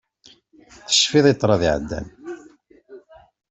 Tecfiḍ i ṭṭrad iɛeddan.